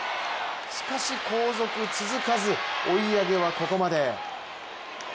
しかし後続続かず追い上げはここまで。